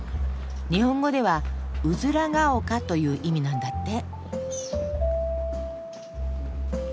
日本語では「うずらが丘」という意味なんだって。